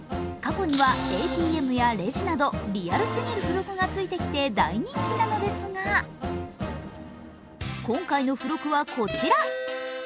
過去にはＡＴＭやレジなどリアルすぎる付録がついてきて大人気なのですが、今回の付録はこちら。